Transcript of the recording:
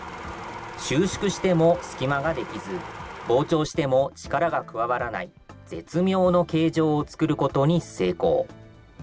収縮しても隙間ができず、膨張しても力が加わらない絶妙の形状を作ることに成功。